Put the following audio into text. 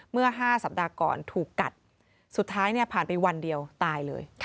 เมื่อ๕สัปดาห์ก่อนถูกกัดสุดท้ายผ่านไปวันเดียวตายเลย